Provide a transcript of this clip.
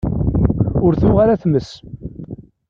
Ur tuɣ ara tmes.